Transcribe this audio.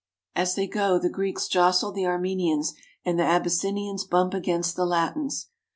As they go the Greeks jostle the Armenians and the Abyssinians bump against the Latins.